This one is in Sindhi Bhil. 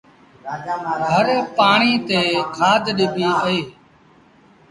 هر پآڻيٚ تي کآڌ ڏبيٚ اهي